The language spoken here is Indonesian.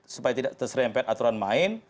supaya tidak terserempet aturan main